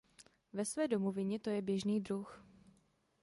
Ve své domovině to je běžný druh.